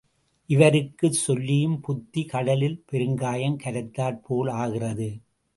இவருக்குச் சொல்லும் புத்தி கடலிற் பெருங்காயம் கரைத்தாற் போல் ஆகிறது.